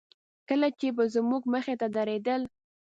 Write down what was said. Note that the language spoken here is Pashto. کله چې به زموږ مخې ته تېرېدل.